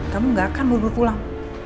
kamu gak akan buru buru pulang